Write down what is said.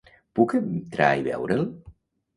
Puc entrar i veure'l?